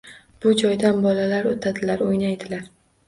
Bu joydan bolalar oʻtadilar, oʻynaydilar.